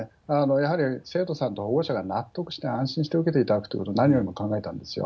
やはり生徒さんと保護者が納得して、安心して受けていただくということを何よりも考えたんですよ。